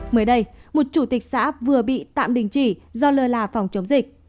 mới đây một chủ tịch xã vừa bị tạm đình chỉ do lơ là phòng chống dịch